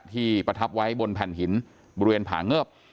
ประทับไว้บนแผ่นหินบริเวณผาเงิบ